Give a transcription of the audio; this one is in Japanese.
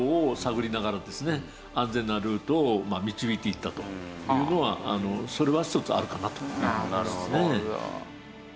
安全なルートを導いていったというのはそれは一つあるかなと思いますね。